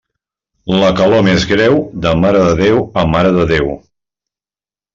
La calor més greu, de Mare de Déu a Mare de Déu.